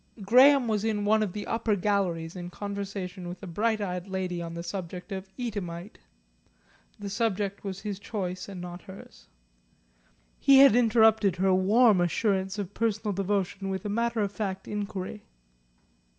Graham was in one of the upper galleries in conversation with a bright eyed lady on the subject of Eadhamite the subject was his choice and not hers. He had interrupted her warm assurances of personal devotion with a matter of fact inquiry.